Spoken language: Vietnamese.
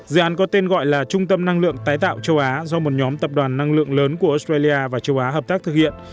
dự án có tên gọi là trung tâm năng lượng tái tạo châu á do một nhóm tập đoàn năng lượng lớn của australia và châu á hợp tác thực hiện